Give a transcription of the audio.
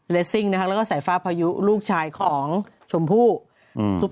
และซิ่งนะครับแล้วก็สายฟ้าพายุลูกชายของชมผู้อืมทุบ